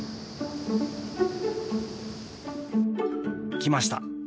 来ました。